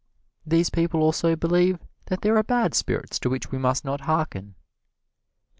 These people also believe that there are bad spirits to which we must not harken.